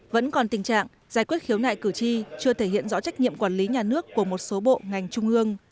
vẫn còn tình trạng giải quyết khiếu nại cử tri chưa thể hiện rõ trách nhiệm quản lý nhà nước của một số bộ ngành trung ương